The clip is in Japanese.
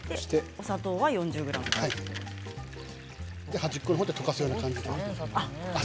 端っこの方で溶かす感じで。